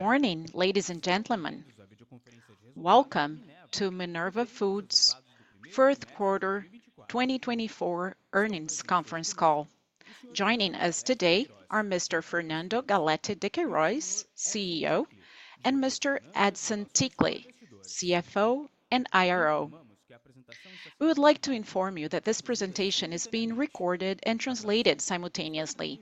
Morning, ladies and gentlemen. Welcome to Minerva Foods' 1st quarter 2024 earnings conference call. Joining us today are Mr. Fernando Galletti de Queiroz, CEO, and Mr. Edison Ticle, CFO and IRO. We would like to inform you that this presentation is being recorded and translated simultaneously.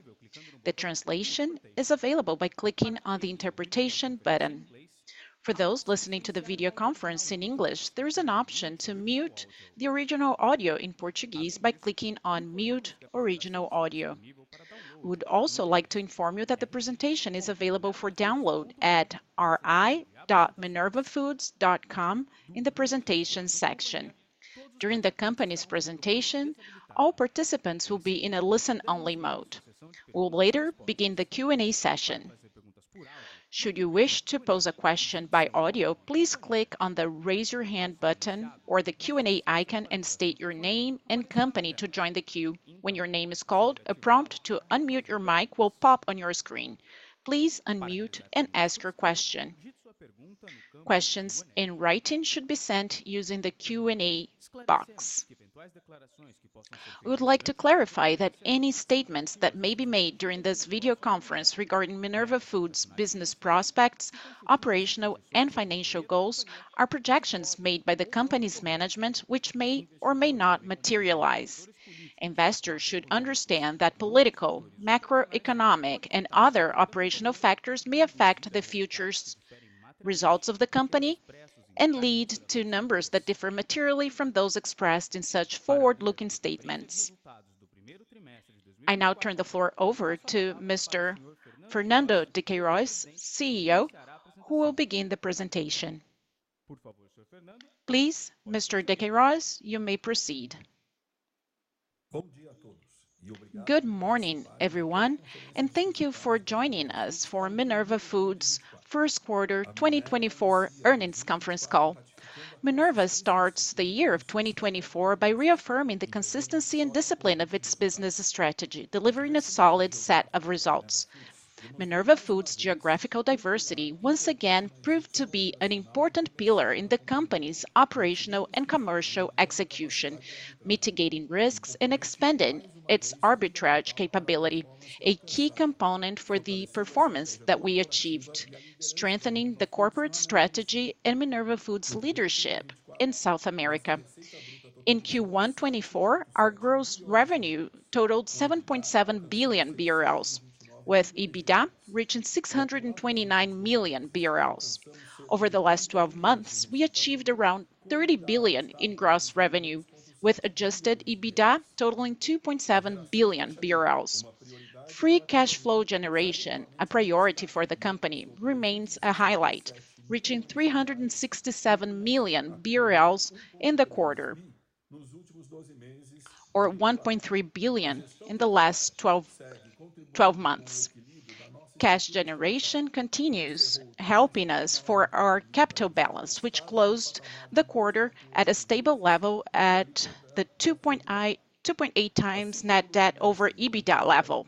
The translation is available by clicking on the interpretation button. For those listening to the video conference in English, there is an option to mute the original audio in Portuguese by clicking on "Mute Original Audio." We would also like to inform you that the presentation is available for download at ri.minervafoods.com in the Presentations section. During the company's presentation, all participants will be in a listen-only mode. We will later begin the Q&A session. Should you wish to pose a question by audio, please click on the "Raise Your Hand" button or the Q&A icon and state your name and company to join the queue. When your name is called, a prompt to unmute your mic will pop on your screen. Please unmute and ask your question. Questions in writing should be sent using the Q&A box. We would like to clarify that any statements that may be made during this video conference regarding Minerva Foods' business prospects, operational, and financial goals are projections made by the company's management, which may or may not materialize. Investors should understand that political, macroeconomic, and other operational factors may affect the future results of the company and lead to numbers that differ materially from those expressed in such forward-looking statements. I now turn the floor over to Mr. Fernando de Queiroz, CEO, who will begin the presentation. Please, Mr. de Queiroz, you may proceed. Good morning, everyone, and thank you for joining us for Minerva Foods' 1st quarter 2024 earnings conference call. Minerva starts the year of 2024 by reaffirming the consistency and discipline of its business strategy, delivering a solid set of results. Minerva Foods' geographical diversity once again proved to be an important pillar in the company's operational and commercial execution, mitigating risks and expanding its arbitrage capability, a key component for the performance that we achieved, strengthening the corporate strategy and Minerva Foods' leadership in South America. In Q1 2024, our gross revenue totaled 7.7 billion BRL, with EBITDA reaching 629 million BRL. Over the last 12 months, we achieved around 30 billion in gross revenue, with adjusted EBITDA totaling 2.7 billion BRL. Free cash flow generation, a priority for the company, remains a highlight, reaching 367 million BRL in the quarter, or 1.3 billion in the last 12 months. Cash generation continues, helping us for our capital balance, which closed the quarter at a stable level at the 2.8x net debt over EBITDA level.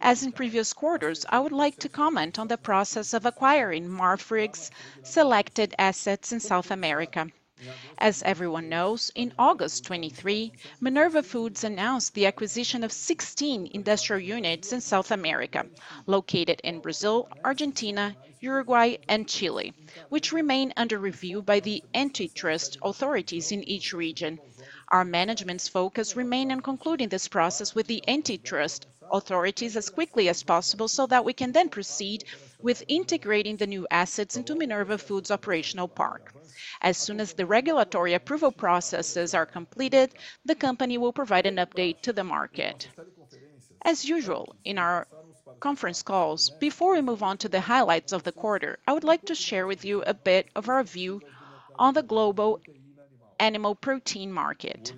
As in previous quarters, I would like to comment on the process of acquiring Marfrig's selected assets in South America. As everyone knows, in August 2023, Minerva Foods announced the acquisition of 16 industrial units in South America, located in Brazil, Argentina, Uruguay, and Chile, which remain under review by the antitrust authorities in each region. Our management's focus remains on concluding this process with the antitrust authorities as quickly as possible so that we can then proceed with integrating the new assets into Minerva Foods' operational park. As soon as the regulatory approval processes are completed, the company will provide an update to the market. As usual in our conference calls, before we move on to the highlights of the quarter, I would like to share with you a bit of our view on the global animal protein market.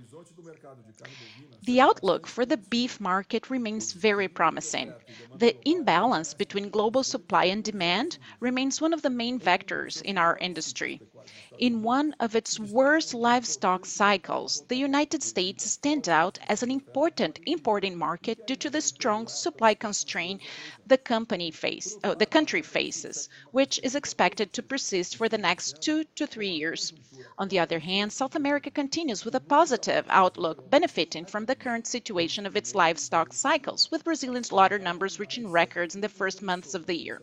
The outlook for the beef market remains very promising. The imbalance between global supply and demand remains one of the main vectors in our industry. In one of its worst livestock cycles, the United States stands out as an important importing market due to the strong supply constraint the country faces, which is expected to persist for the next two to three years. On the other hand, South America continues with a positive outlook, benefiting from the current situation of its livestock cycles, with Brazil's slaughter numbers reaching records in the first months of the year.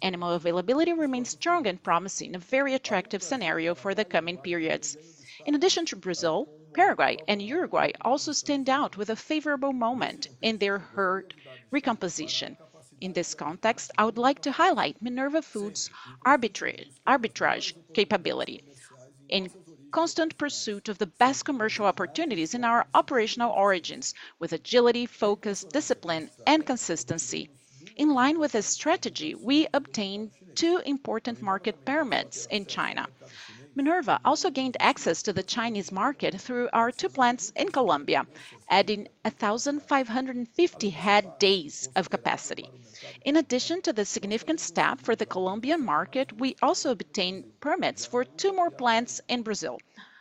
Animal availability remains strong and promising, a very attractive scenario for the coming periods. In addition to Brazil, Paraguay, and Uruguay also stand out with a favorable moment in their herd recomposition. In this context, I would like to highlight Minerva Foods' arbitrage capability, in constant pursuit of the best commercial opportunities in our operational origins, with agility, focus, discipline, and consistency. In line with this strategy, we obtained two important market permits in China. Minerva also gained access to the Chinese market through our two plants in Colombia, adding 1,550 head a day of capacity. In addition to the significant step for the Colombian market, we also obtained permits for two more plants in Brazil,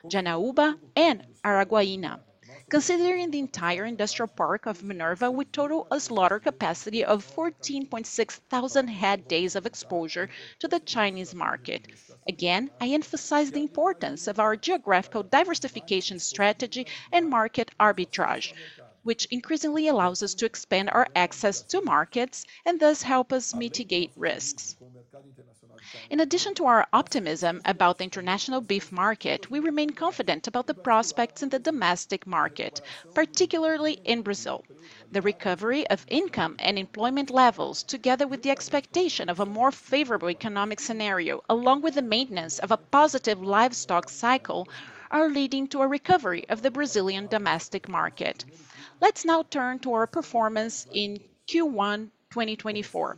Janaúba and Araguaína. Considering the entire industrial park of Minerva, we total a slaughter capacity of 14,600 head a day of exposure to the Chinese market. Again, I emphasize the importance of our geographical diversification strategy and market arbitrage, which increasingly allows us to expand our access to markets and thus help us mitigate risks. In addition to our optimism about the international beef market, we remain confident about the prospects in the domestic market, particularly in Brazil. The recovery of income and employment levels, together with the expectation of a more favorable economic scenario, along with the maintenance of a positive livestock cycle, are leading to a recovery of the Brazilian domestic market. Let's now turn to our performance in Q1 2024.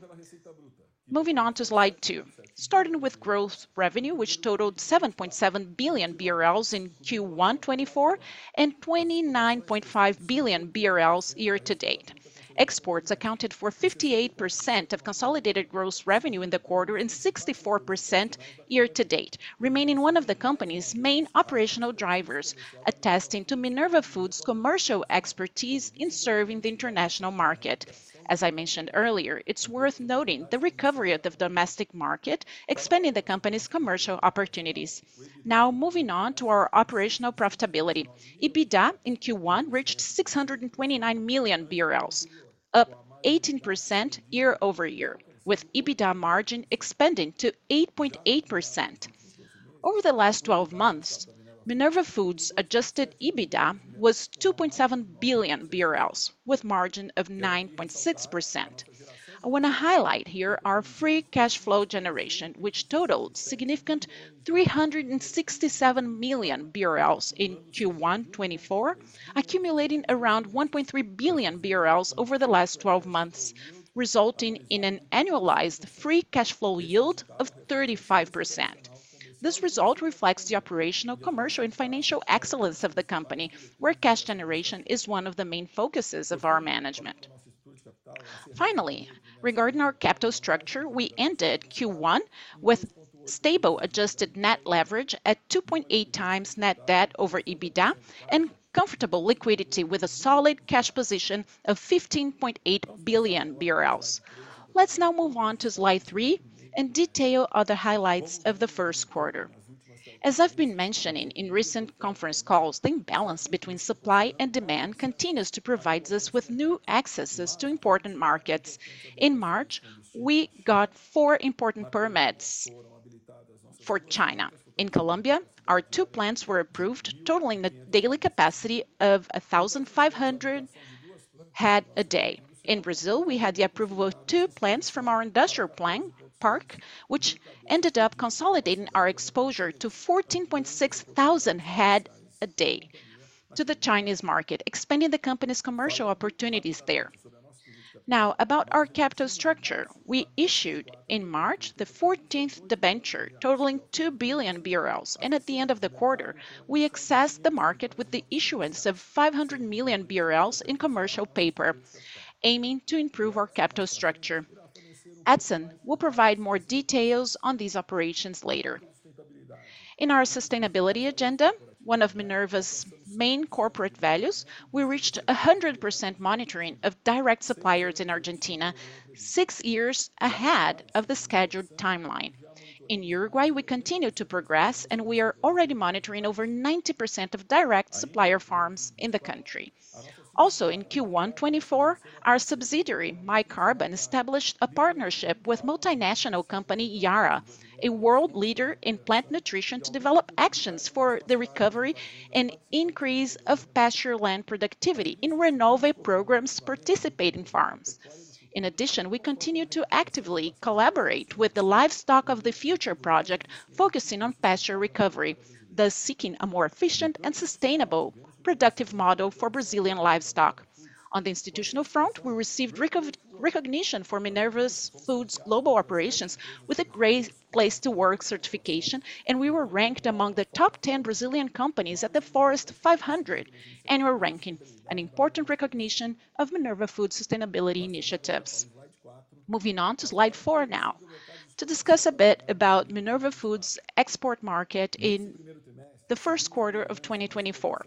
Moving on to Slide 2, starting with gross revenue, which totaled 7.7 billion BRL in Q1 2024 and 29.5 billion BRL year to date. Exports accounted for 58% of consolidated gross revenue in the quarter and 64% year to date, remaining one of the company's main operational drivers, attesting to Minerva Foods' commercial expertise in serving the international market. As I mentioned earlier, it's worth noting the recovery of the domestic market, expanding the company's commercial opportunities. Now, moving on to our operational profitability. EBITDA in Q1 reached 629 million BRL, up 18% year-over-year, with EBITDA margin expanding to 8.8%. Over the last 12 months, Minerva Foods' adjusted EBITDA was 2.7 billion BRL, with a margin of 9.6%. I want to highlight here our free cash flow generation, which totaled significant 367 million BRL in Q1 2024, accumulating around 1.3 billion BRL over the last 12 months, resulting in an annualized free cash flow yield of 35%. This result reflects the operational, commercial, and financial excellence of the company, where cash generation is one of the main focuses of our management. Finally, regarding our capital structure, we ended Q1 with stable adjusted net leverage at 2.8x net debt over EBITDA and comfortable liquidity with a solid cash position of 15.8 billion BRL. Let's now move on to Slide 3 and detail other highlights of the first quarter. As I've been mentioning in recent conference calls, the imbalance between supply and demand continues to provide us with new accesses to important markets. In March, we got four important permits for China. In Colombia, our two plants were approved, totaling a daily capacity of 1,500 head a day. In Brazil, we had the approval of two plants from our industrial park, which ended up consolidating our exposure to 14,600 head a day to the Chinese market, expanding the company's commercial opportunities there. Now, about our capital structure, we issued in March the 14th debenture, totaling 2 billion BRL, and at the end of the quarter, we accessed the market with the issuance of 500 million BRL in commercial paper, aiming to improve our capital structure. Edison will provide more details on these operations later. In our sustainability agenda, one of Minerva's main corporate values, we reached 100% monitoring of direct suppliers in Argentina, six years ahead of the scheduled timeline. In Uruguay, we continue to progress, and we are already monitoring over 90% of direct supplier farms in the country. Also, in Q1 2024, our subsidiary MyCarbon established a partnership with multinational company Yara, a world leader in plant nutrition, to develop actions for the recovery and increase of pasture land productivity in Renove programs participating farms. In addition, we continue to actively collaborate with the Livestock of the Future project, focusing on pasture recovery, thus seeking a more efficient and sustainable productive model for Brazilian livestock. On the institutional front, we received recognition for Minerva Foods' global operations with a Great Place to Work certification, and we were ranked among the top 10 Brazilian companies at the Forest 500 annual ranking, an important recognition of Minerva Foods' sustainability initiatives. Moving on to Slide 4 now, to discuss a bit about Minerva Foods' export market in the first quarter of 2024.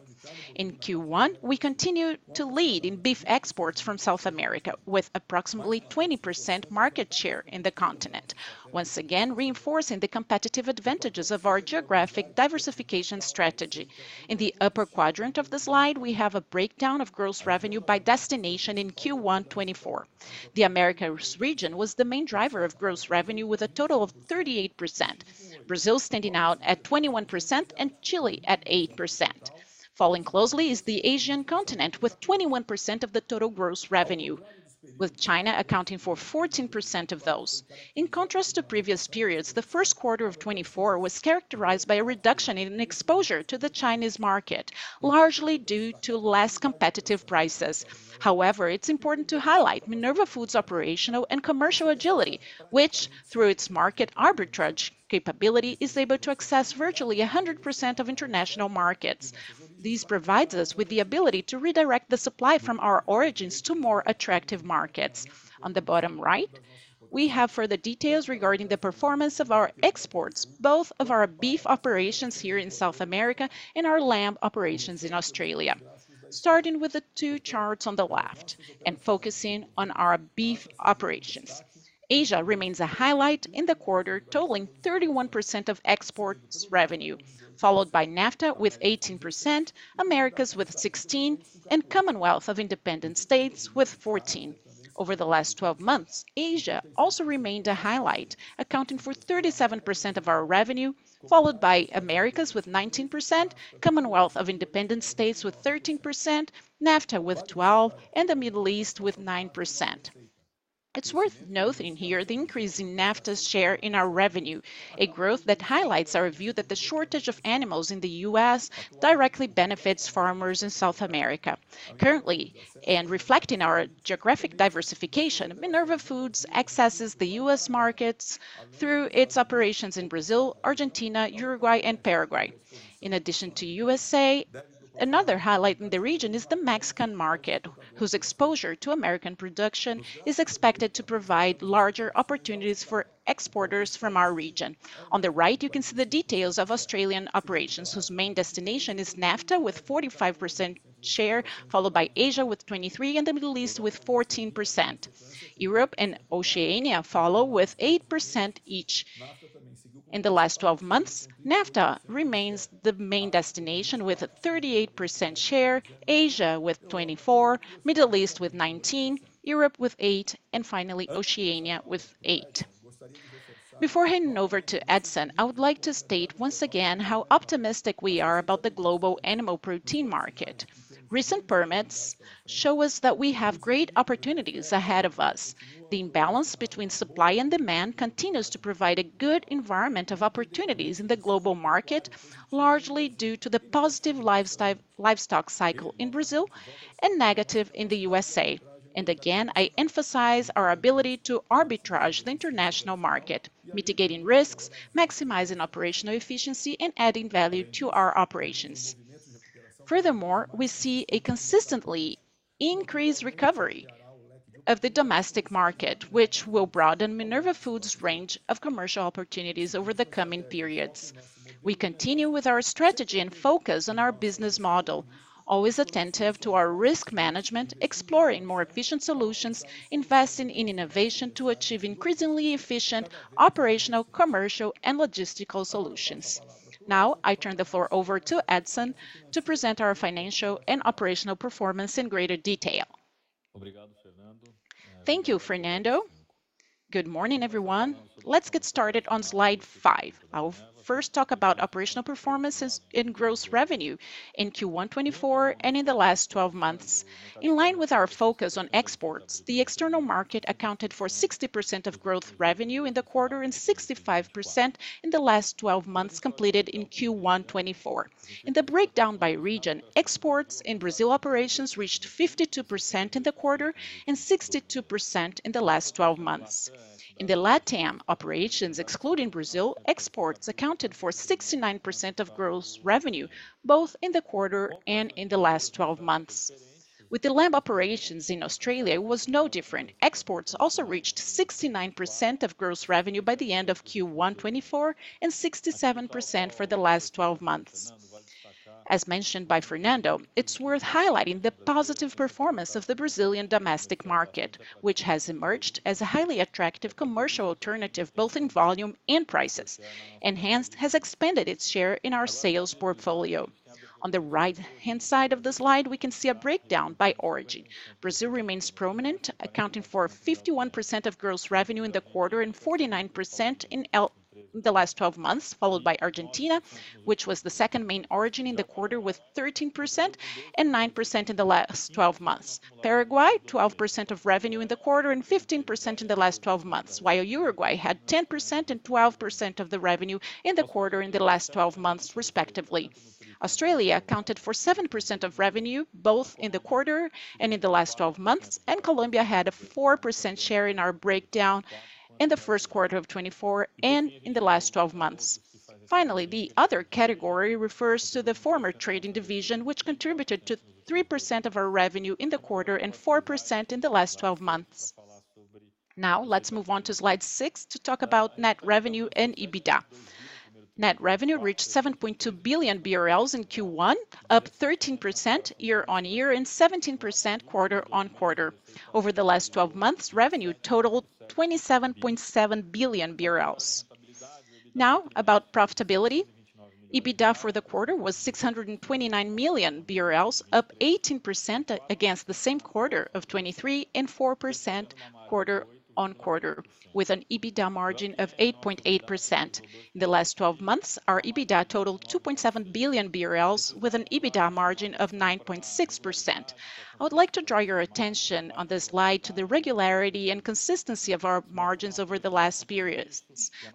In Q1, we continue to lead in beef exports from South America, with approximately 20% market share in the continent, once again reinforcing the competitive advantages of our geographic diversification strategy. In the upper quadrant of the slide, we have a breakdown of gross revenue by destination in Q1 2024. The Americas region was the main driver of gross revenue, with a total of 38%, Brazil standing out at 21% and Chile at 8%. Following closely is the Asian continent, with 21% of the total gross revenue, with China accounting for 14% of those. In contrast to previous periods, the first quarter of 2024 was characterized by a reduction in exposure to the Chinese market, largely due to less competitive prices. However, it's important to highlight Minerva Foods' operational and commercial agility, which, through its market arbitrage capability, is able to access virtually 100% of international markets. This provides us with the ability to redirect the supply from our origins to more attractive markets. On the bottom right, we have further details regarding the performance of our exports, both of our beef operations here in South America and our lamb operations in Australia, starting with the two charts on the left and focusing on our beef operations. Asia remains a highlight in the quarter, totaling 31% of exports revenue, followed by NAFTA with 18%, Americas with 16%, and Commonwealth of Independent States with 14%. Over the last 12 months, Asia also remained a highlight, accounting for 37% of our revenue, followed by Americas with 19%, Commonwealth of Independent States with 13%, NAFTA with 12%, and the Middle East with 9%. It's worth noting here the increase in NAFTA's share in our revenue, a growth that highlights our view that the shortage of animals in the U.S. directly benefits farmers in South America. Currently, and reflecting our geographic diversification, Minerva Foods accesses the U.S. markets through its operations in Brazil, Argentina, Uruguay, and Paraguay. In addition to the U.S.A., another highlight in the region is the Mexican market, whose exposure to American production is expected to provide larger opportunities for exporters from our region. On the right, you can see the details of Australian operations, whose main destination is NAFTA with 45% share, followed by Asia with 23% and the Middle East with 14%. Europe and Oceania follow with 8% each. In the last 12 months, NAFTA remains the main destination with a 38% share, Asia with 24%, Middle East with 19%, Europe with 8%, and finally Oceania with 8%. Before handing over to Edison, I would like to state once again how optimistic we are about the global animal protein market. Recent permits show us that we have great opportunities ahead of us. The imbalance between supply and demand continues to provide a good environment of opportunities in the global market, largely due to the positive livestock cycle in Brazil and negative in the U.S.A. Again, I emphasize our ability to arbitrage the international market, mitigating risks, maximizing operational efficiency, and adding value to our operations. Furthermore, we see a consistently increased recovery of the domestic market, which will broaden Minerva Foods' range of commercial opportunities over the coming periods. We continue with our strategy and focus on our business model, always attentive to our risk management, exploring more efficient solutions, investing in innovation to achieve increasingly efficient operational, commercial, and logistical solutions. Now, I turn the floor over to Edison to present our financial and operational performance in greater detail. Thank you, Fernando. Good morning, everyone. Let's get started on Slide 5. I will first talk about operational performances in gross revenue in Q1 2024 and in the last 12 months. In line with our focus on exports, the external market accounted for 60% of gross revenue in the quarter and 65% in the last 12 months completed in Q1 2024. In the breakdown by region, exports in Brazil operations reached 52% in the quarter and 62% in the last 12 months. In the LATAM operations, excluding Brazil, exports accounted for 69% of gross revenue, both in the quarter and in the last 12 months. With the lamb operations in Australia, it was no different. Exports also reached 69% of gross revenue by the end of Q1 2024 and 67% for the last 12 months. As mentioned by Fernando, it's worth highlighting the positive performance of the Brazilian domestic market, which has emerged as a highly attractive commercial alternative both in volume and prices, and has expanded its share in our sales portfolio. On the right-hand side of the slide, we can see a breakdown by origin. Brazil remains prominent, accounting for 51% of gross revenue in the quarter and 49% in the last 12 months, followed by Argentina, which was the second main origin in the quarter with 13% and 9% in the last 12 months. Paraguay, 12% of revenue in the quarter and 15% in the last 12 months, while Uruguay had 10% and 12% of the revenue in the quarter in the last 12 months, respectively. Australia accounted for 7% of revenue both in the quarter and in the last 12 months, and Colombia had a 4% share in our breakdown in the first quarter of 2024 and in the last 12 months. Finally, the other category refers to the former trading division, which contributed to 3% of our revenue in the quarter and 4% in the last 12 months. Now, let's move on to Slide 6 to talk about net revenue and EBITDA. Net revenue reached 7.2 billion BRL in Q1, up 13% year-on-year and 17% quarter-on-quarter. Over the last 12 months, revenue totaled 27.7 billion BRL. Now, about profitability. EBITDA for the quarter was 629 million BRL, up 18% against the same quarter of 2023 and 4% quarter-on-quarter, with an EBITDA margin of 8.8%. In the last 12 months, our EBITDA totaled 2.7 billion BRL, with an EBITDA margin of 9.6%. I would like to draw your attention on this slide to the regularity and consistency of our margins over the last periods.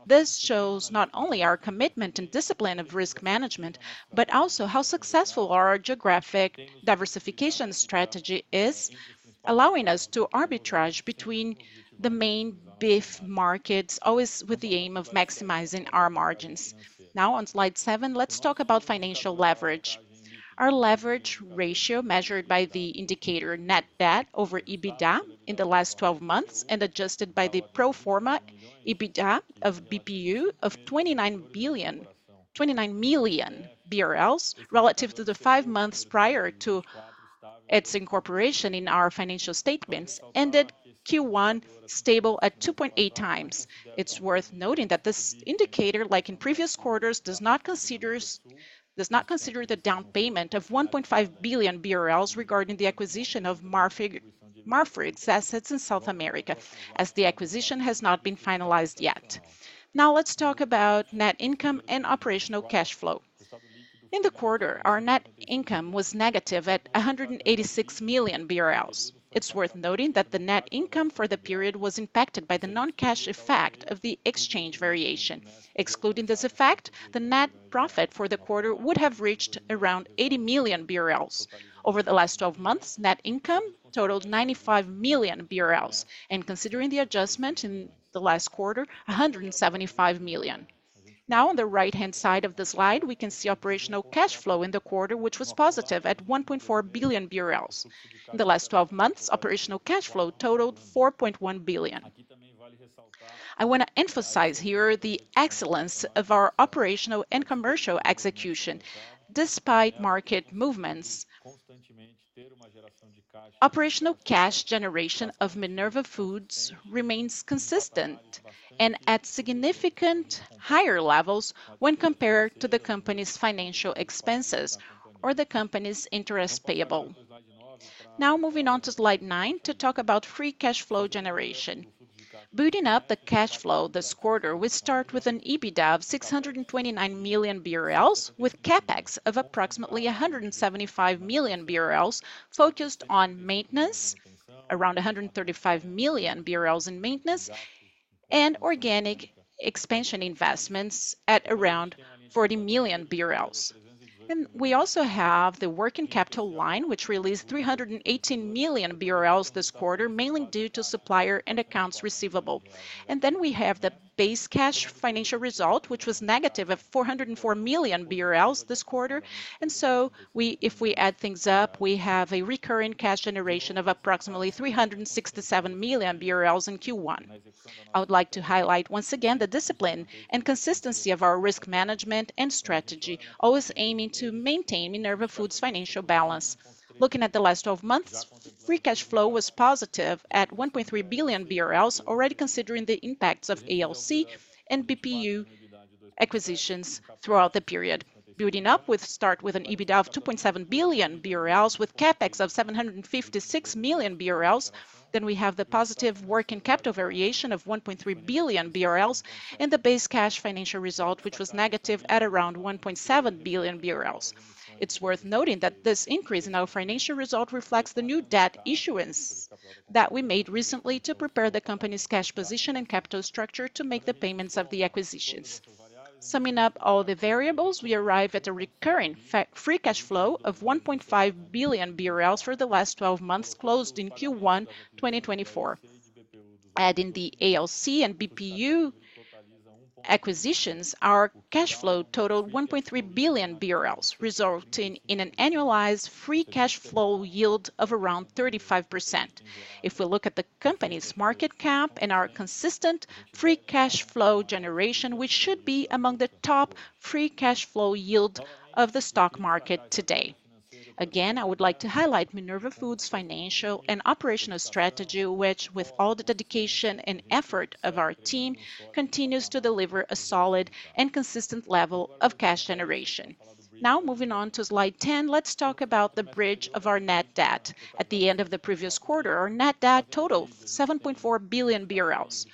This shows not only our commitment and discipline of risk management, but also how successful our geographic diversification strategy is, allowing us to arbitrage between the main beef markets, always with the aim of maximizing our margins. Now, on Slide 7, let's talk about financial leverage. Our leverage ratio, measured by the indicator net debt over EBITDA in the last 12 months and adjusted by the pro forma EBITDA of BPU of 29 million BRL relative to the five months prior to its incorporation in our financial statements, ended Q1 stable at 2.8x. It's worth noting that this indicator, like in previous quarters, does not consider the downpayment of 1.5 billion BRL regarding the acquisition of Marfrig's assets in South America, as the acquisition has not been finalized yet. Now, let's talk about net income and operational cash flow. In the quarter, our net income was negative at 186 million BRL. It's worth noting that the net income for the period was impacted by the non-cash effect of the exchange variation. Excluding this effect, the net profit for the quarter would have reached around 80 million BRL. Over the last 12 months, net income totaled 95 million BRL, and considering the adjustment in the last quarter, 175 million. Now, on the right-hand side of the slide, we can see operational cash flow in the quarter, which was positive at 1.4 billion BRL. In the last 12 months, operational cash flow totaled 4.1 billion. I want to emphasize here the excellence of our operational and commercial execution, despite market movements. Operational cash generation of Minerva Foods remains consistent and at significantly higher levels when compared to the company's financial expenses or the company's interest payable. Now, moving on to Slide 9 to talk about free cash flow generation. Building up the cash flow this quarter, we start with an EBITDA of 629 million BRL, with CapEx of approximately 175 million BRL focused on maintenance, around 135 million BRL in maintenance, and organic expansion investments at around 40 million BRL. We also have the working capital line, which released 318 million BRL this quarter, mainly due to supplier and accounts receivable. Then we have the base cash financial result, which was negative at 404 million BRL this quarter. So, if we add things up, we have a recurring cash generation of approximately 367 million BRL in Q1. I would like to highlight once again the discipline and consistency of our risk management and strategy, always aiming to maintain Minerva Foods' financial balance. Looking at the last 12 months, free cash flow was positive at 1.3 billion BRL, already considering the impacts of ALC and BPU acquisitions throughout the period. Starting with an EBITDA of 2.7 billion BRL, with CapEx of 756 million BRL. Then we have the positive working capital variation of 1.3 billion BRL and the base cash financial result, which was negative at around 1.7 billion BRL. It's worth noting that this increase in our financial result reflects the new debt issuance that we made recently to prepare the company's cash position and capital structure to make the payments of the acquisitions. Summing up all the variables, we arrive at a recurring free cash flow of 1.5 billion BRL for the last 12 months closed in Q1 2024. Adding the ALC and BPU acquisitions, our cash flow totaled 1.3 billion BRL, resulting in an annualized free cash flow yield of around 35%. If we look at the company's market cap and our consistent free cash flow generation, which should be among the top free cash flow yield of the stock market today. Again, I would like to highlight Minerva Foods' financial and operational strategy, which, with all the dedication and effort of our team, continues to deliver a solid and consistent level of cash generation. Now, moving on to Slide 10, let's talk about the bridge of our net debt. At the end of the previous quarter, our net debt totaled 7.4 billion BRL.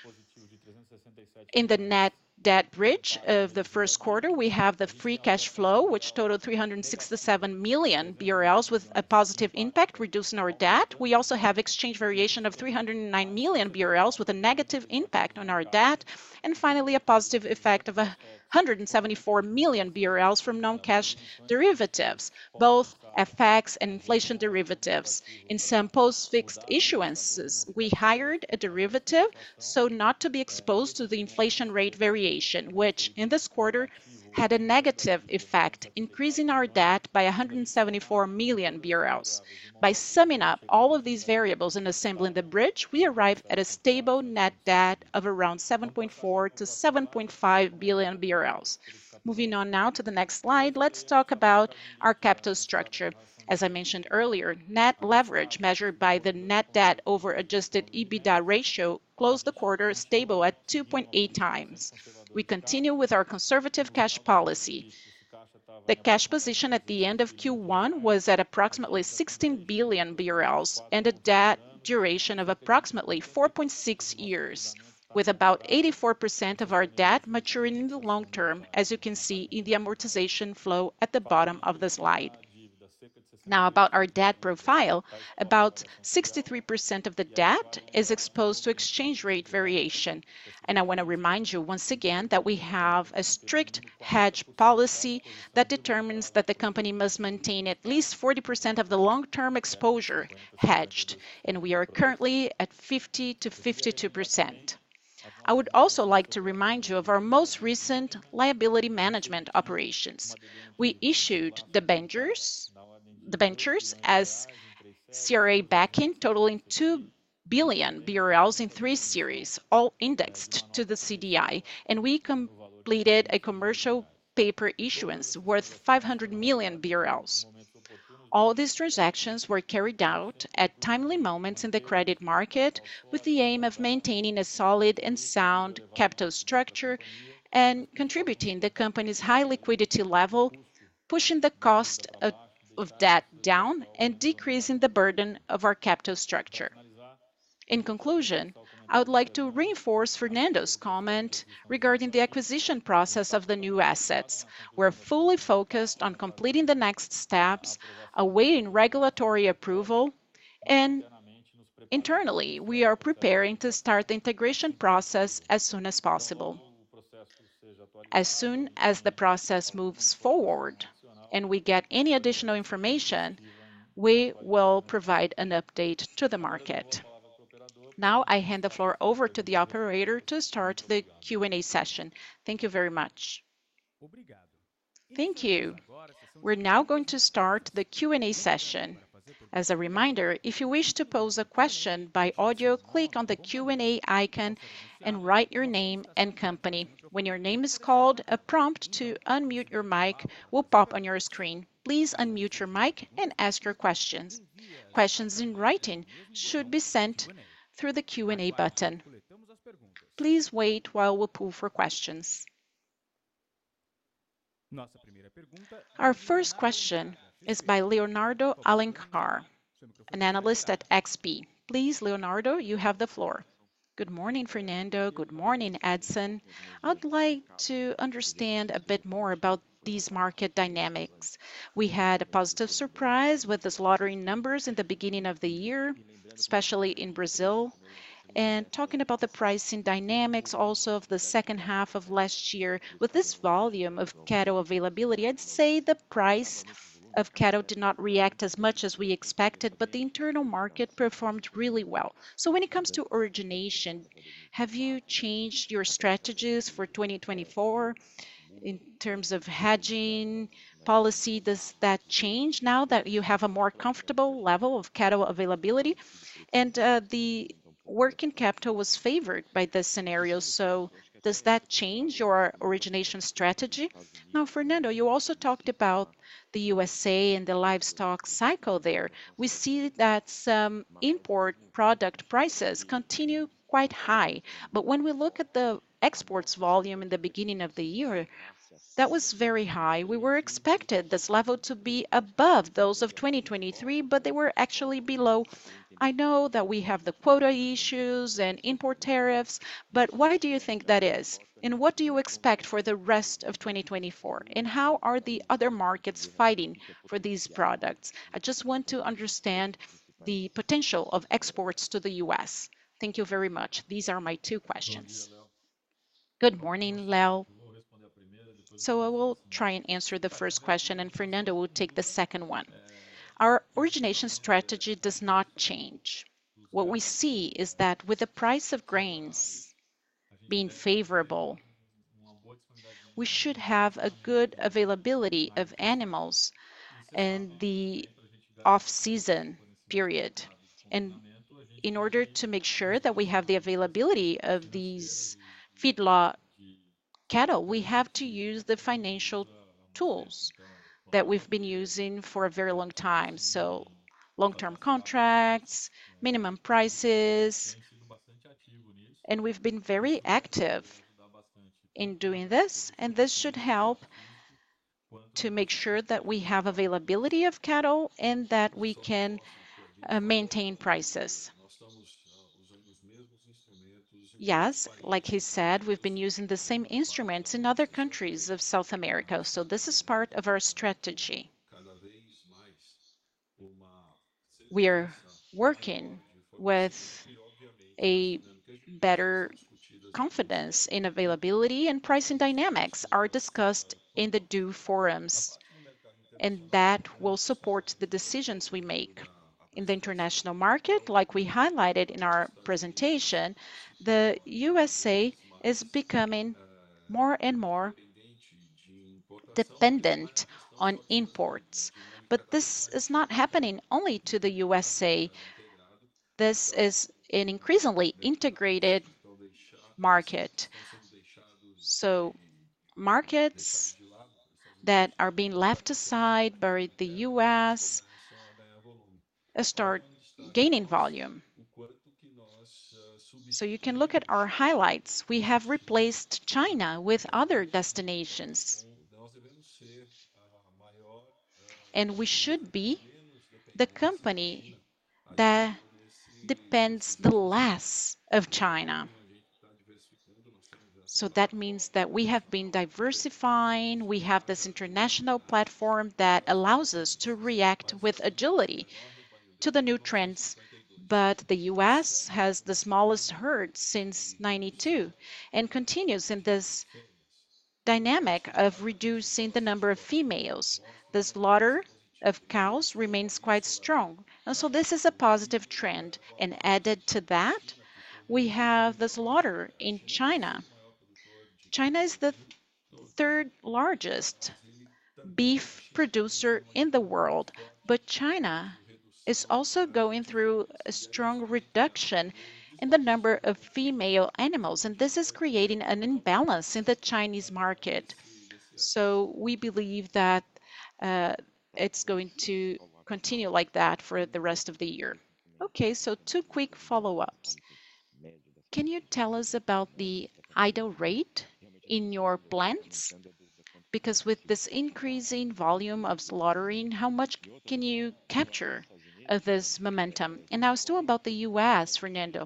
In the net debt bridge of the first quarter, we have the free cash flow, which totaled 367 million BRL, with a positive impact reducing our debt. We also have exchange variation of 309 million BRL, with a negative impact on our debt, and finally, a positive effect of 174 million BRL from non-cash derivatives, both FX and inflation derivatives. In some post-fixed issuances, we hired a derivative so not to be exposed to the inflation rate variation, which in this quarter had a negative effect, increasing our debt by 174 million BRL. By summing up all of these variables and assembling the bridge, we arrive at a stable net debt of around 7.4 billion-7.5 billion BRL. Moving on now to the next slide, let's talk about our capital structure. As I mentioned earlier, net leverage, measured by the net debt over adjusted EBITDA ratio, closed the quarter stable at 2.8x. We continue with our conservative cash policy. The cash position at the end of Q1 was at approximately 16 billion BRL and a debt duration of approximately 4.6 years, with about 84% of our debt maturing in the long term, as you can see in the amortization flow at the bottom of the slide. Now, about our debt profile, about 63% of the debt is exposed to exchange rate variation. I want to remind you once again that we have a strict hedge policy that determines that the company must maintain at least 40% of the long-term exposure hedged, and we are currently at 50%-52%. I would also like to remind you of our most recent liability management operations. We issued the debentures as CRA backing, totaling 2 billion BRL in three series, all indexed to the CDI, and we completed a commercial paper issuance worth 500 million BRL. All these transactions were carried out at timely moments in the credit market with the aim of maintaining a solid and sound capital structure and contributing to the company's high liquidity level, pushing the cost of debt down and decreasing the burden of our capital structure. In conclusion, I would like to reinforce Fernando's comment regarding the acquisition process of the new assets. We're fully focused on completing the next steps, awaiting regulatory approval, and internally, we are preparing to start the integration process as soon as possible. As soon as the process moves forward and we get any additional information, we will provide an update to the market. Now, I hand the floor over to the operator to start the Q&A session. Thank you very much. Thank you. We're now going to start the Q&A session. As a reminder, if you wish to pose a question by audio, click on the Q&A icon and write your name and company. When your name is called, a prompt to unmute your mic will pop on your screen. Please unmute your mic and ask your questions. Questions in writing should be sent through the Q&A button. Please wait while we pull for questions. Our first question is by Leonardo Alencar, an analyst at XP. Please, Leonardo, you have the floor. Good morning, Fernando. Good morning, Edison. I'd like to understand a bit more about these market dynamics. We had a positive surprise with the slaughtering numbers in the beginning of the year, especially in Brazil. Talking about the pricing dynamics also of the second half of last year, with this volume of cattle availability, I'd say the price of cattle did not react as much as we expected, but the internal market performed really well. So when it comes to origination, have you changed your strategies for 2024 in terms of hedging policy? Does that change now that you have a more comfortable level of cattle availability? And the working capital was favored by this scenario. So does that change your origination strategy? Now, Fernando, you also talked about the U.S.A. and the livestock cycle there. We see that some import product prices continue quite high. But when we look at the exports volume in the beginning of the year, that was very high. We were expecting this level to be above those of 2023, but they were actually below. I know that we have the quota issues and import tariffs, but why do you think that is? And what do you expect for the rest of 2024? And how are the other markets fighting for these products? I just want to understand the potential of exports to the U.S. Thank you very much. These are my two questions. Good morning, Léo. So I will try and answer the first question, and Fernando will take the second one. Our origination strategy does not change. What we see is that with the price of grains being favorable, we should have a good availability of animals in the off-season period. And in order to make sure that we have the availability of these feedlot cattle, we have to use the financial tools that we've been using for a very long time. So long-term contracts, minimum prices. We've been very active in doing this, and this should help to make sure that we have availability of cattle and that we can maintain prices. Yes, like he said, we've been using the same instruments in other countries of South America. This is part of our strategy. We are working with a better confidence in availability and pricing dynamics are discussed in the due forms, and that will support the decisions we make in the international market. Like we highlighted in our presentation, the U.S.A. is becoming more and more dependent on imports. This is not happening only to the U.S.A. This is an increasingly integrated market. Markets that are being left aside by the U.S. start gaining volume. You can look at our highlights. We have replaced China with other destinations. We should be the company that depends the least on China. So that means that we have been diversifying. We have this international platform that allows us to react with agility to the new trends. But the U.S. has the smallest herd since 1992 and continues in this dynamic of reducing the number of females. The slaughter of cows remains quite strong. And so this is a positive trend. And added to that, we have the slaughter in China. China is the third largest beef producer in the world, but China is also going through a strong reduction in the number of female animals, and this is creating an imbalance in the Chinese market. So we believe that it's going to continue like that for the rest of the year. Okay, so two quick follow-ups. Can you tell us about the idle rate in your plants? Because with this increasing volume of slaughtering, how much can you capture of this momentum? Now still about the U.S., Fernando.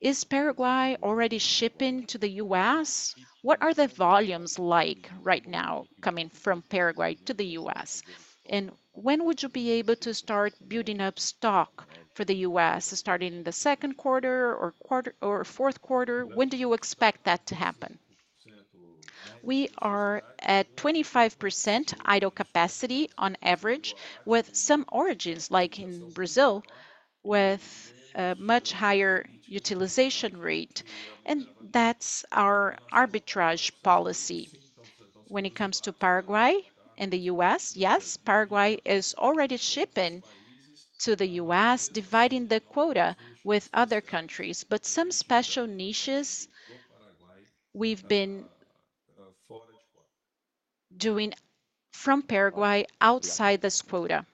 Is Paraguay already shipping to the U.S.? What are the volumes like right now coming from Paraguay to the U.S.? And when would you be able to start building up stock for the U.S., starting in the second quarter or fourth quarter? When do you expect that to happen? We are at 25% idle capacity on average, with some origins, like in Brazil, with a much higher utilization rate. That's our arbitrage policy. When it comes to Paraguay and the U.S., yes, Paraguay is already shipping to the U.S., dividing the quota with other countries, but some special niches we've been doing from Paraguay outside this quota.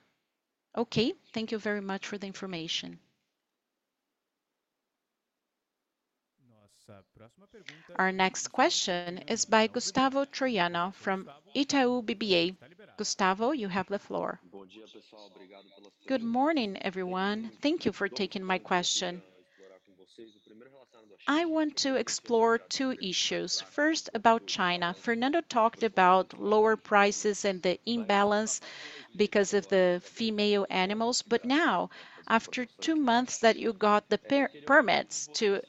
Okay, thank you very much for the information. Our next question is by Gustavo Troyano from Itaú BBA. Gustavo, you have the floor. Good morning, everyone. Thank you for taking my question. I want to explore two issues. First, about China. Fernando talked about lower prices and the imbalance because of the female animals. But now, after two months that you got the permits to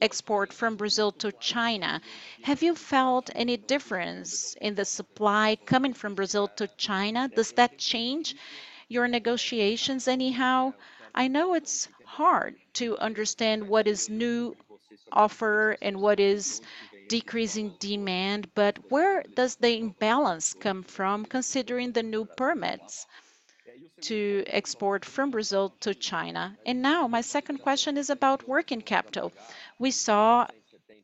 export from Brazil to China, have you felt any difference in the supply coming from Brazil to China? Does that change your negotiations anyhow? I know it's hard to understand what is new offer and what is decreasing demand, but where does the imbalance come from considering the new permits to export from Brazil to China? And now, my second question is about working capital. We saw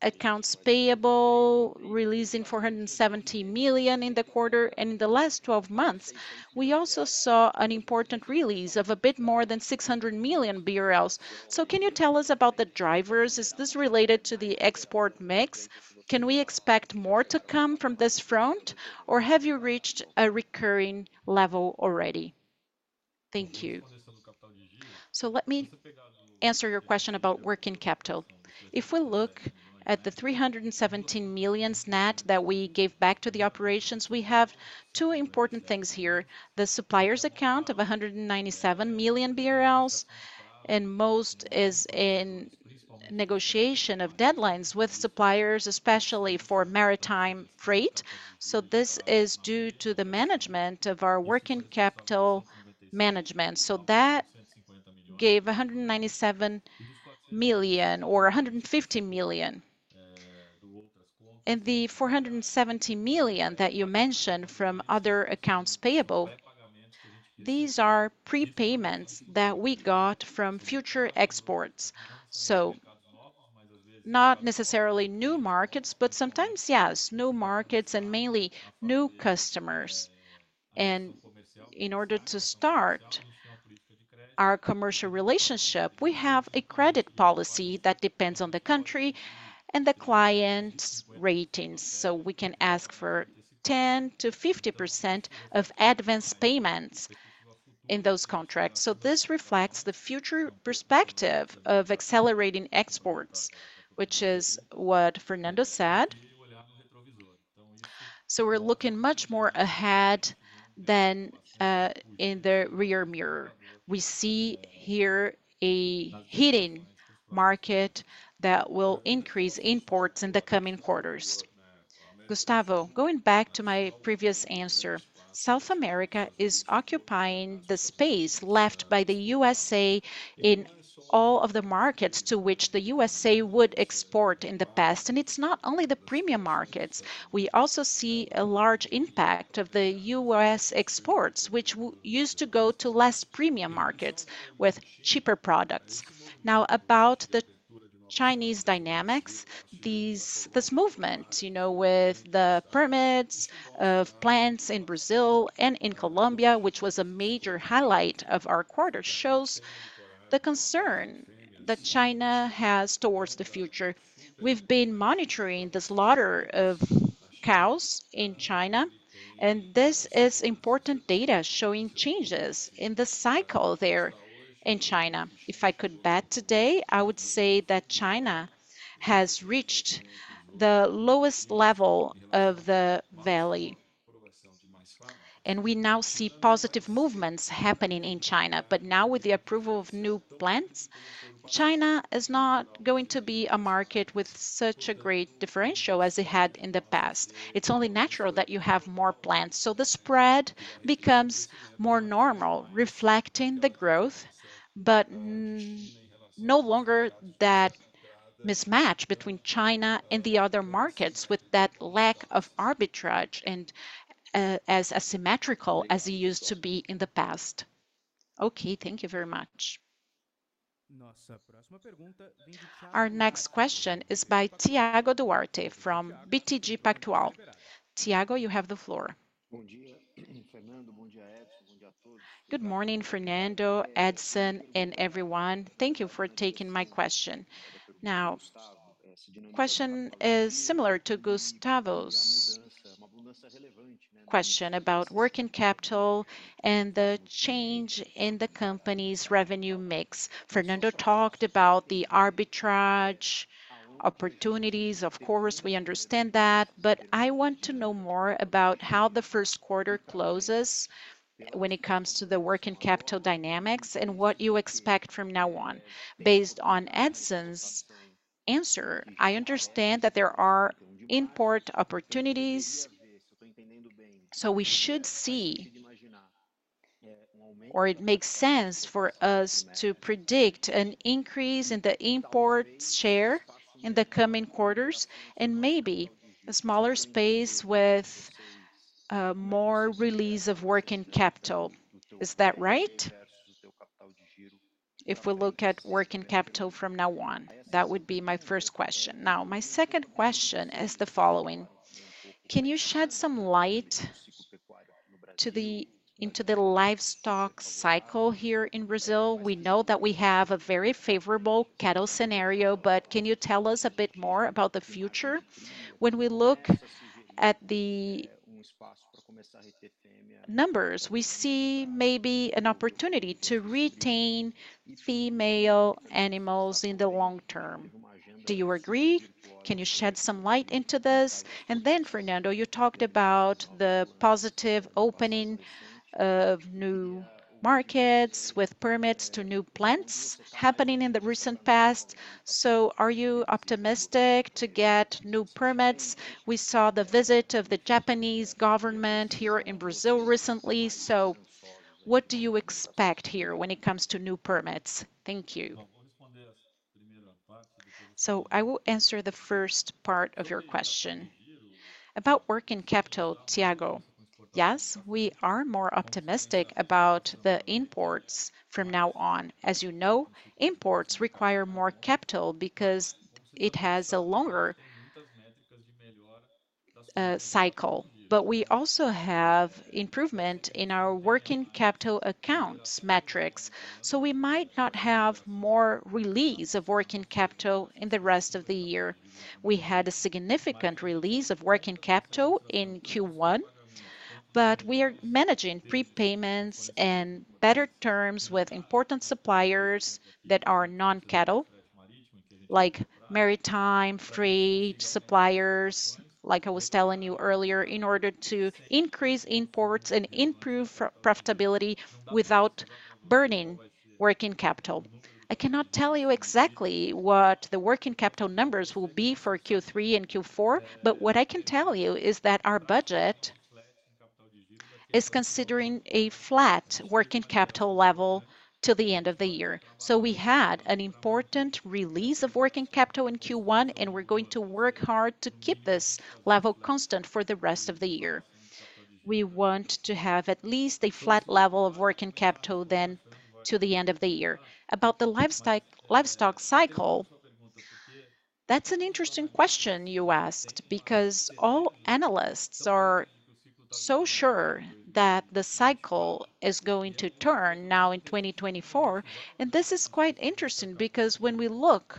accounts payable releasing 470 million in the quarter and in the last 12 months. We also saw an important release of a bit more than 600 million BRL. So can you tell us about the drivers? Is this related to the export mix? Can we expect more to come from this front, or have you reached a recurring level already? Thank you. So let me answer your question about working capital. If we look at the 317 million net that we gave back to the operations, we have two important things here. The supplier's account of 197 million BRL, and most is in negotiation of deadlines with suppliers, especially for maritime freight. So this is due to the management of our working capital management. So that gave 197 million or 150 million. And the 470 million that you mentioned from other accounts payable, these are prepayments that we got from future exports. So not necessarily new markets, but sometimes, yes, new markets and mainly new customers. And in order to start our commercial relationship, we have a credit policy that depends on the country and the client's ratings. So we can ask for 10%-50% of advance payments in those contracts. So this reflects the future perspective of accelerating exports, which is what Fernando said. So we're looking much more ahead than in the rearview mirror. We see here a heating market that will increase imports in the coming quarters. Gustavo, going back to my previous answer, South America is occupying the space left by the U.S.A. in all of the markets to which the U.S.A. would export in the past. And it's not only the premium markets. We also see a large impact of the U.S. exports, which used to go to less premium markets with cheaper products. Now, about the Chinese dynamics, this movement, you know, with the permits of plants in Brazil and in Colombia, which was a major highlight of our quarter, shows the concern that China has towards the future. We've been monitoring the slaughter of cows in China, and this is important data showing changes in the cycle there in China. If I could bet today, I would say that China has reached the lowest level of the valley. We now see positive movements happening in China. But now, with the approval of new plants, China is not going to be a market with such a great differential as it had in the past. It's only natural that you have more plants. The spread becomes more normal, reflecting the growth, but no longer that mismatch between China and the other markets with that lack of arbitrage and as asymmetrical as it used to be in the past. Okay, thank you very much. Our next question is by Thiago Duarte from BTG Pactual. Thiago, you have the floor. Good morning, Fernando, Edison, and everyone. Thank you for taking my question. Now, the question is similar to Gustavo's question about working capital and the change in the company's revenue mix. Fernando talked about the arbitrage opportunities. Of course, we understand that, but I want to know more about how the first quarter closes when it comes to the working capital dynamics and what you expect from now on. Based on Edison's answer, I understand that there are import opportunities. So we should see, or it makes sense for us to predict an increase in the import share in the coming quarters and maybe a smaller space with more release of working capital. Is that right? If we look at working capital from now on, that would be my first question. Now, my second question is the following: Can you shed some light into the livestock cycle here in Brazil? We know that we have a very favorable cattle scenario, but can you tell us a bit more about the future? When we look at the numbers, we see maybe an opportunity to retain female animals in the long term. Do you agree? Can you shed some light into this? And then, Fernando, you talked about the positive opening of new markets with permits to new plants happening in the recent past. So are you optimistic to get new permits? We saw the visit of the Japanese government here in Brazil recently. So what do you expect here when it comes to new permits? Thank you. So I will answer the first part of your question about working capital, Tiago. Yes, we are more optimistic about the imports from now on. As you know, imports require more capital because it has a longer cycle. But we also have improvement in our working capital accounts metrics. So we might not have more release of working capital in the rest of the year. We had a significant release of working capital in Q1, but we are managing prepayments and better terms with important suppliers that are non-cattle, like maritime freight suppliers, like I was telling you earlier, in order to increase imports and improve profitability without burning working capital. I cannot tell you exactly what the working capital numbers will be for Q3 and Q4, but what I can tell you is that our budget is considering a flat working capital level to the end of the year. So we had an important release of working capital in Q1, and we're going to work hard to keep this level constant for the rest of the year. We want to have at least a flat level of working capital, then to the end of the year. About the livestock cycle, that's an interesting question you asked because all analysts are so sure that the cycle is going to turn now in 2024. This is quite interesting because when we look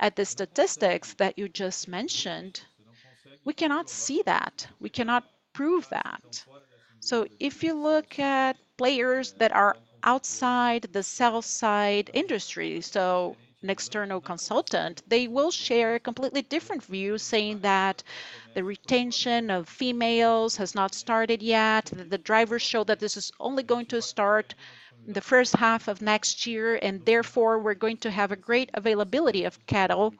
at the statistics that you just mentioned, we cannot see that. We cannot prove that. So if you look at players that are outside the sell-side industry, so an external consultant, they will share a completely different view saying that the retention of females has not started yet, that the drivers show that this is only going to start in the first half of next year, and therefore we're going to have a great availability of cattle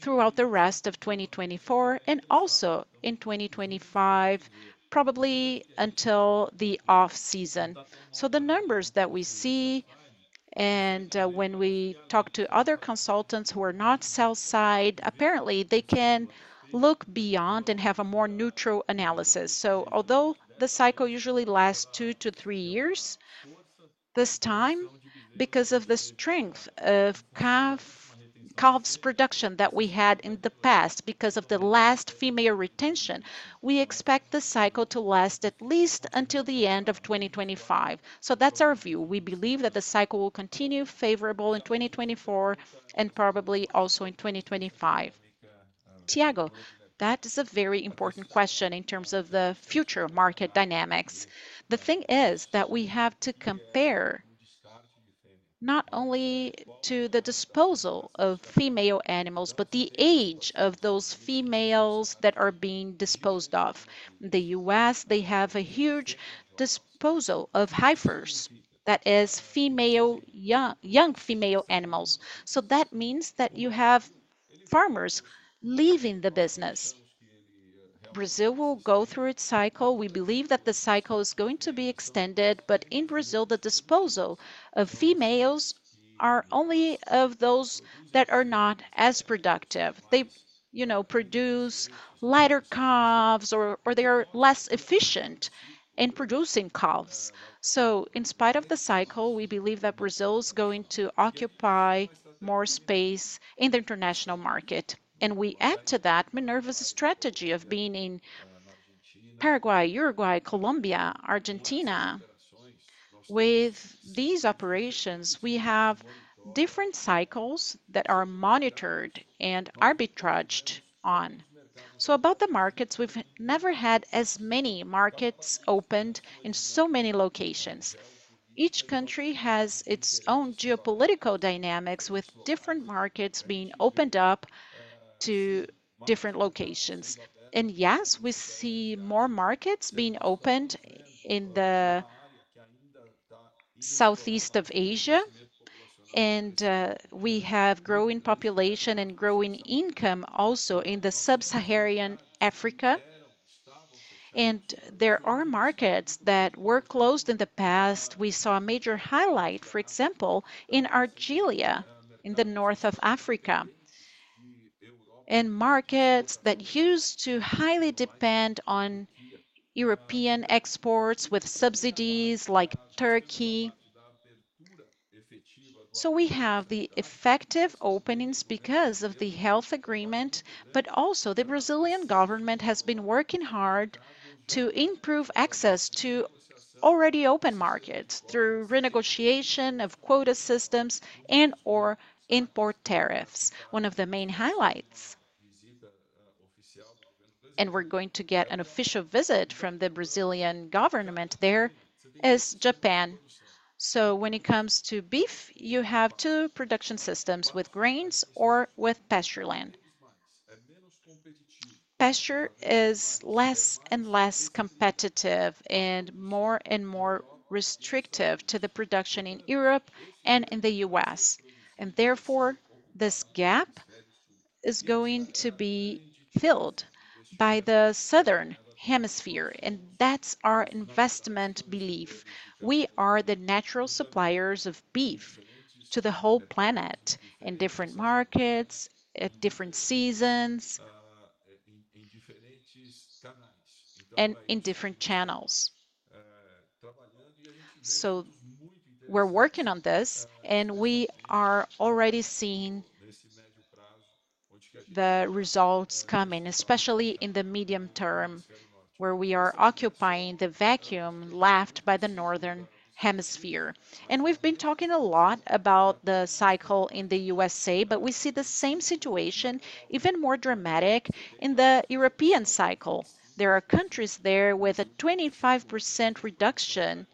throughout the rest of 2024 and also in 2025, probably until the off-season. So the numbers that we see, and when we talk to other consultants who are not sell-side, apparently they can look beyond and have a more neutral analysis. So although the cycle usually lasts two to three years, this time, because of the strength of calves production that we had in the past because of the last female retention, we expect the cycle to last at least until the end of 2025. So that's our view. We believe that the cycle will continue favorable in 2024 and probably also in 2025. Thiago, that is a very important question in terms of the future market dynamics. The thing is that we have to compare not only to the disposal of female animals, but the age of those females that are being disposed of. In the U.S., they have a huge disposal of heifers, that is, young female animals. So that means that you have farmers leaving the business. Brazil will go through its cycle. We believe that the cycle is going to be extended, but in Brazil, the disposal of females is only of those that are not as productive. They produce lighter calves or they are less efficient in producing calves. So in spite of the cycle, we believe that Brazil is going to occupy more space in the international market. And we add to that Minerva's strategy of being in Paraguay, Uruguay, Colombia, Argentina. With these operations, we have different cycles that are monitored and arbitraged on. So about the markets, we've never had as many markets opened in so many locations. Each country has its own geopolitical dynamics with different markets being opened up to different locations. Yes, we see more markets being opened in the southeast of Asia, and we have growing population and growing income also in the sub-Saharan Africa. There are markets that were closed in the past. We saw a major highlight, for example, in Algeria, in the north of Africa, and markets that used to highly depend on European exports with subsidies like Turkey. We have the effective openings because of the health agreement, but also the Brazilian government has been working hard to improve access to already open markets through renegotiation of quota systems and/or import tariffs. One of the main highlights, and we're going to get an official visit from the Brazilian government there, is Japan. When it comes to beef, you have two production systems: with grains or with pasture land. Pasture is less and less competitive and more and more restrictive to the production in Europe and in the U.S. Therefore, this gap is going to be filled by the southern hemisphere. That's our investment belief. We are the natural suppliers of beef to the whole planet in different markets, at different seasons, and in different channels. We're working on this, and we are already seeing the results coming, especially in the medium term, where we are occupying the vacuum left by the northern hemisphere. We've been talking a lot about the cycle in the U.S.A., but we see the same situation, even more dramatic, in the European cycle. There are countries there with a 25% reduction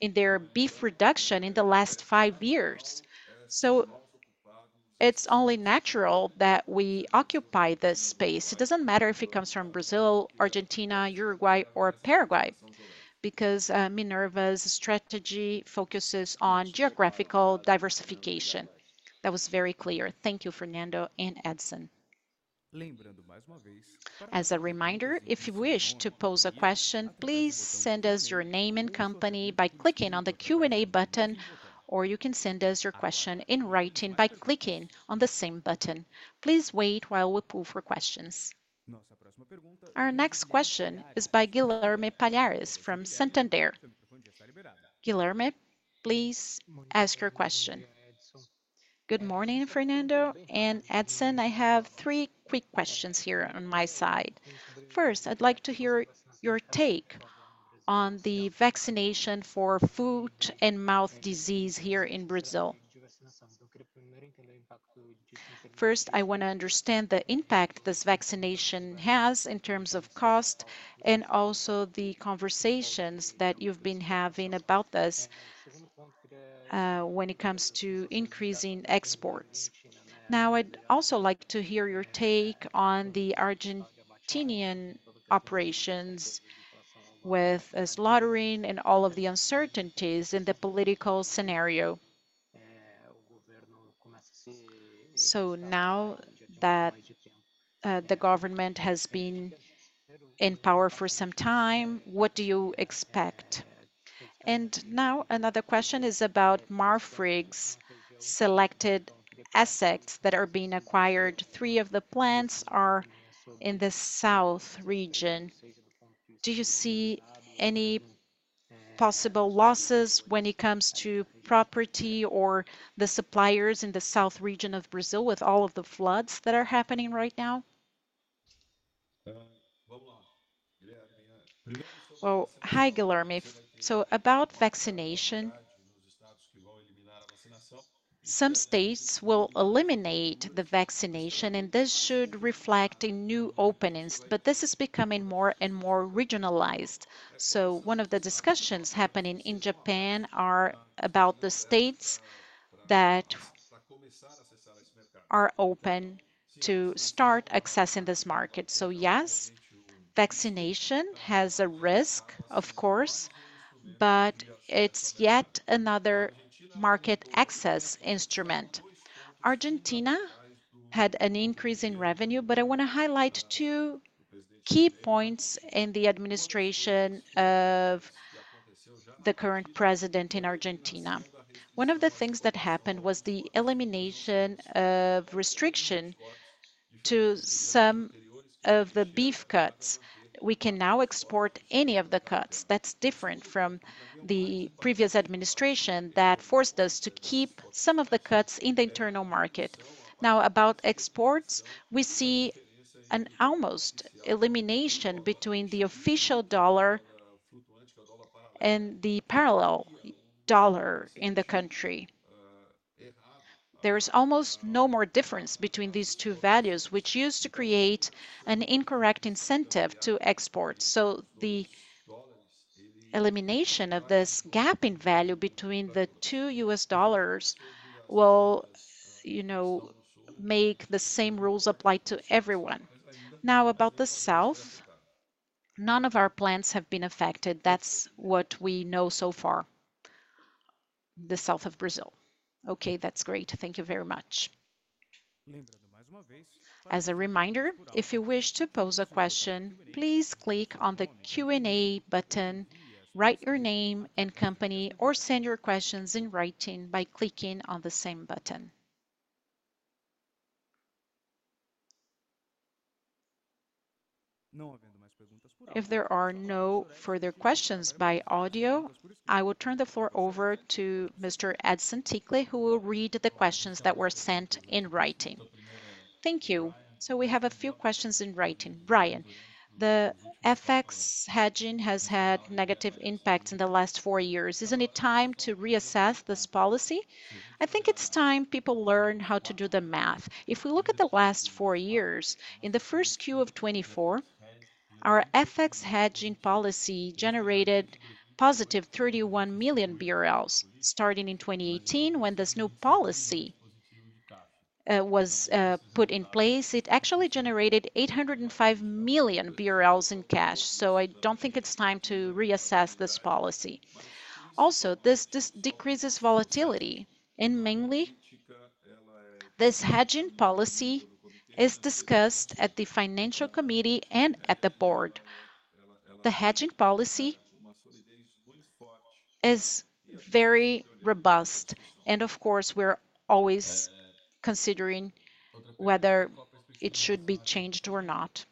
in their beef production in the last five years. It's only natural that we occupy this space. It doesn't matter if it comes from Brazil, Argentina, Uruguay, or Paraguay because Minerva's strategy focuses on geographical diversification. That was very clear. Thank you, Fernando and Edison. As a reminder, if you wish to pose a question, please send us your name and company by clicking on the Q&A button, or you can send us your question in writing by clicking on the same button. Please wait while we pull for questions. Our next question is by Guilherme Palhares from Santander. Guilherme, please ask your question. Good morning, Fernando. And Edison, I have three quick questions here on my side. First, I'd like to hear your take on the vaccination for foot and mouth disease here in Brazil. First, I want to understand the impact this vaccination has in terms of cost and also the conversations that you've been having about this when it comes to increasing exports. Now, I'd also like to hear your take on the Argentine operations with slaughtering and all of the uncertainties in the political scenario. So now that the government has been in power for some time, what do you expect? And now another question is about Marfrig's selected assets that are being acquired. Three of the plants are in the south region. Do you see any possible losses when it comes to property or the suppliers in the south region of Brazil with all of the floods that are happening right now? So hi, Guilherme. So about vaccination, some states will eliminate the vaccination, and this should reflect new openings, but this is becoming more and more regionalized. So one of the discussions happening in Japan is about the states that are open to start accessing this market. So yes, vaccination has a risk, of course, but it's yet another market access instrument. Argentina had an increase in revenue, but I want to highlight two key points in the administration of the current president in Argentina. One of the things that happened was the elimination of restriction to some of the beef cuts. We can now export any of the cuts. That's different from the previous administration that forced us to keep some of the cuts in the internal market. Now, about exports, we see an almost elimination between the official dollar and the parallel dollar in the country. There is almost no more difference between these two values, which used to create an incorrect incentive to export. So the elimination of this gap in value between the two U.S. dollars will make the same rules apply to everyone. Now, about the south, none of our plants have been affected. That's what we know so far, the south of Brazil. Okay, that's great. Thank you very much. As a reminder, if you wish to pose a question, please click on the Q&A button, write your name and company, or send your questions in writing by clicking on the same button. If there are no further questions by audio, I will turn the floor over to Mr. Edison Ticle, who will read the questions that were sent in writing. Thank you. So we have a few questions in writing. Brian, the FX hedging has had negative impacts in the last four years. Isn't it time to reassess this policy? I think it's time people learn how to do the math. If we look at the last four years, in the first Q of 2024, our FX hedging policy generated +31 million BRL. Starting in 2018, when this new policy was put in place, it actually generated 805 million BRL in cash. So I don't think it's time to reassess this policy. Also, this decreases volatility. And mainly, this hedging policy is discussed at the financial committee and at the board. The hedging policy is very robust. And of course, we're always considering whether it should be changed or not.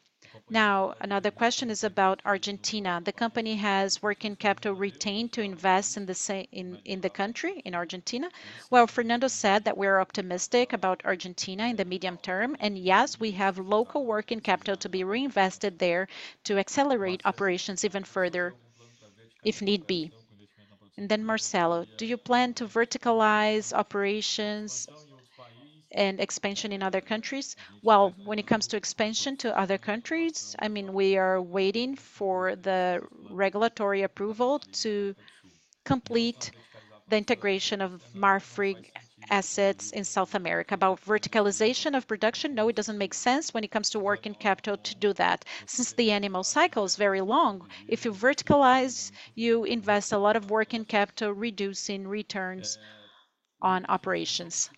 Now, another question is about Argentina. The company has working capital retained to invest in the country, in Argentina. Well, Fernando said that we are optimistic about Argentina in the medium term. And yes, we have local working capital to be reinvested there to accelerate operations even further if need be. Then Marcelo, do you plan to verticalize operations and expansion in other countries? Well, when it comes to expansion to other countries, I mean, we are waiting for the regulatory approval to complete the integration of Marfrig assets in South America. About verticalization of production, no, it doesn't make sense when it comes to working capital to do that. Since the animal cycle is very long, if you verticalize, you invest a lot of working capital, reducing returns on operations.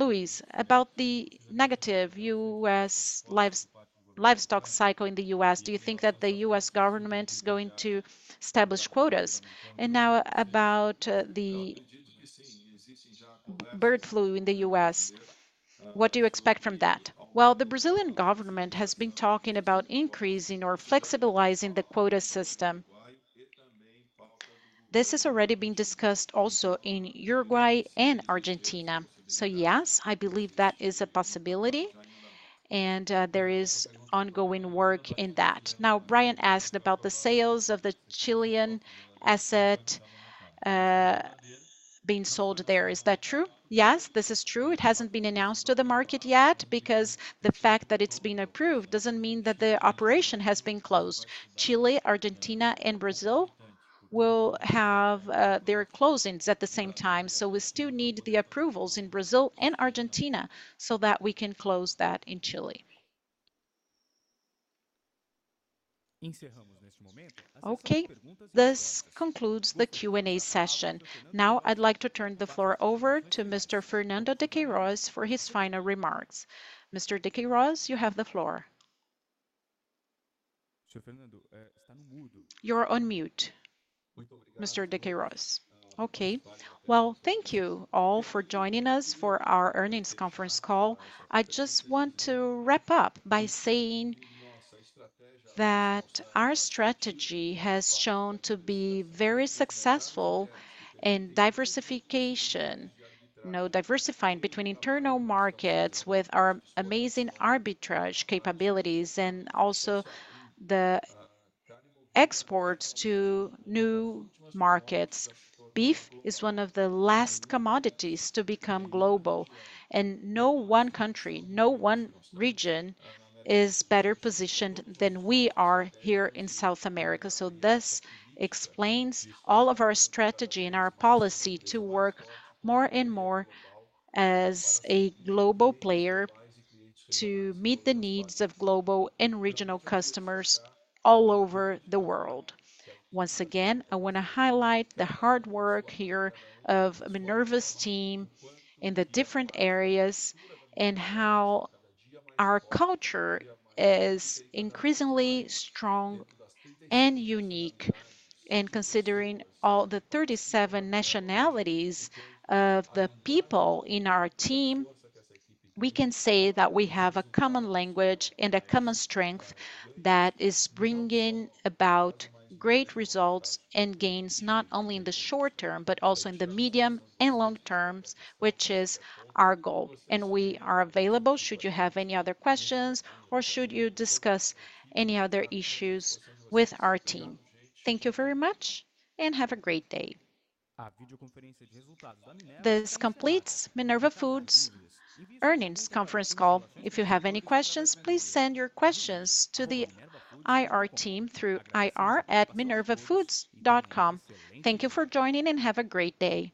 Luiz, about the negative U.S. livestock cycle in the U.S., do you think that the U.S. government is going to establish quotas? And now about the bird flu in the U.S., what do you expect from that? Well, the Brazilian government has been talking about increasing or flexibilizing the quota system. This has already been discussed also in Uruguay and Argentina. So yes, I believe that is a possibility, and there is ongoing work in that. Now, Brian asked about the sales of the Chilean asset being sold there. Is that true? Yes, this is true. It hasn't been announced to the market yet because the fact that it's been approved doesn't mean that the operation has been closed. Chile, Argentina, and Brazil will have their closings at the same time. So we still need the approvals in Brazil and Argentina so that we can close that in Chile. Okay, this concludes the Q&A session. Now, I'd like to turn the floor over to Mr. Fernando de Queiroz for his final remarks. Mr. de Queiroz, you have the floor. You're on mute, Mr. de Queiroz. Okay. Well, thank you all for joining us for our earnings conference call. I just want to wrap up by saying that our strategy has shown to be very successful in diversification, diversifying between internal markets with our amazing arbitrage capabilities and also the exports to new markets. Beef is one of the last commodities to become global, and no one country, no one region is better positioned than we are here in South America. This explains all of our strategy and our policy to work more and more as a global player to meet the needs of global and regional customers all over the world. Once again, I want to highlight the hard work here of our various teams in the different areas and how our culture is increasingly strong and unique. Considering all the 37 nationalities of the people in our team, we can say that we have a common language and a common strength that is bringing about great results and gains not only in the short term, but also in the medium and long term, which is our goal. We are available should you have any other questions or should you discuss any other issues with our team. Thank you very much and have a great day. This completes Minerva Foods' earnings conference call. If you have any questions, please send your questions to the IR team through ir@minervafoods.com. Thank you for joining and have a great day.